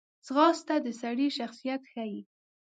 ځغاسته د سړي شخصیت ښیي